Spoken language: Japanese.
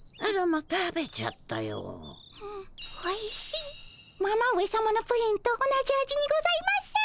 ママ上さまのプリンと同じ味にございます。